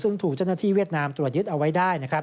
ซึ่งถูกเจ้าหน้าที่เวียดนามตรวจยึดเอาไว้ได้นะครับ